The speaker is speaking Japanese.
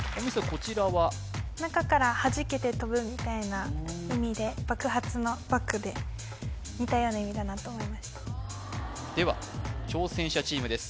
こちらはみたいな意味で爆発の爆で似たような意味だなと思いましてでは挑戦者チームです